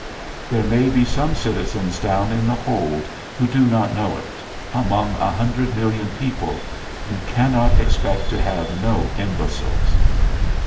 There may be some citizens down in the hold who do not know it among a hundred million people you cannot expect to have no imbeciles.